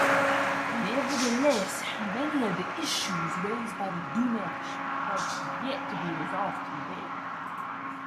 Nevertheless, many of the issues raised by Dunash have yet to be resolved today.